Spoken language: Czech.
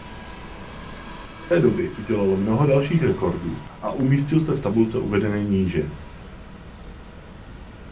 Od té doby udělal mnoho dalších rekordů a umístil se v tabulce uvedené níže.